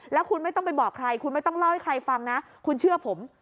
แล้วคุณไม่ต้องไปบอกใครคุณไม่ต้องเล่าให้ใครฟังนะคุณเชื่อผม